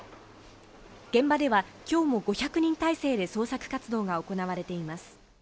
現場では今日も５００人態勢で捜索活動が行われています。